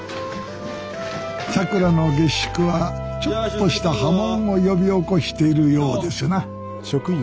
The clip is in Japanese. さくらの下宿はちょっとした波紋を呼び起こしているようですな。